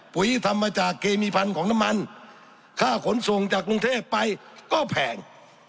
ที่ทำมาจากเคมีพันธุ์ของน้ำมันค่าขนส่งจากกรุงเทพไปก็แพง